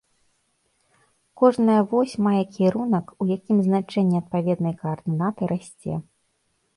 Кожная вось мае кірунак, у якім значэнне адпаведнай каардынаты расце.